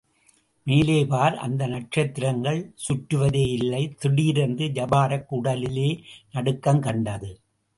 மேலே பார், அந்த நட்சத்திரங்கள் சுற்றுவதேயில்லை! திடீரென்று ஜபாரக் உடலிலே நடுக்கங்கண்டது.